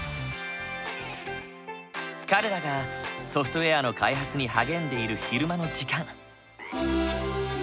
彼らがソフトウェアの開発に励んでいる昼間の時間。